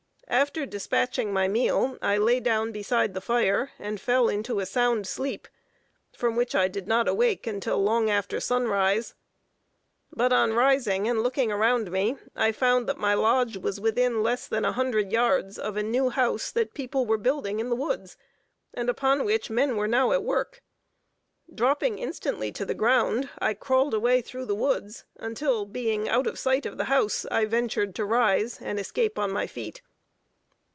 After despatching my meal, I lay down beside the fire and fell into a sound sleep, from which I did not awake until long after sunrise; but on rising and looking around me, I found that my lodge was within less than a hundred yards of a new house that people were building in the woods, and upon which men were now at work. Dropping instantly to the ground, I crawled away through the woods, until being out of sight of the house, I ventured to rise and escape on my feet.